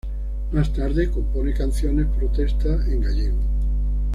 Más tarde compone canciones protesta en gallego.